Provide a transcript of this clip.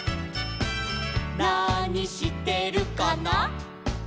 「なにしてるかな」